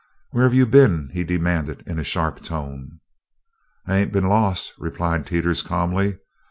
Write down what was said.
"Where have you been?" he demanded in a sharp tone. "I ain't been lost," replied Teeters calmly.